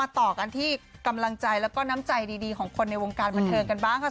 ต่อกันที่กำลังใจแล้วก็น้ำใจดีของคนในวงการบันเทิงกันบ้างค่ะ